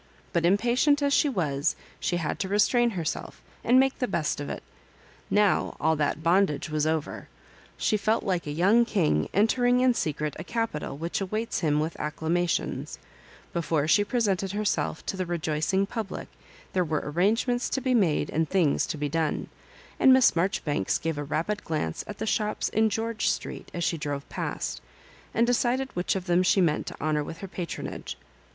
But impatient as she was, she had to restrain herself, and make the best of it Now all that bondage was over. She felt like a young kmg entering in secret a capital whidi awaits him with aockmationa Before she presented herself to the rejoicing public, there were arrangements to be made and chings to be done ; and Miss Maijoribanks gave a rapid glance at the shops in George Street as she drove past, and decided which of them she meant to honor with her patronage.